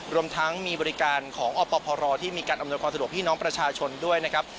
รวมทั้งมีบริการของอพรที่มีการอำนวยความสะดวกพี่น้องประชาชนด้วยนะครับ